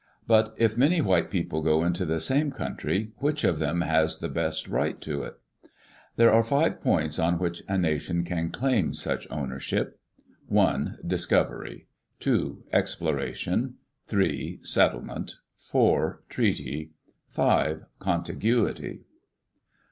But if many white people go into the same coun try, which of them has the best right to it? There are five points on which a nation can claim such ownership: (i) discovery, ^) settlement, (2) exploration, (4) treaty, (5) contiguity.